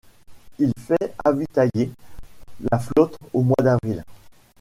Il fait avitailler la flotte au mois d'avril.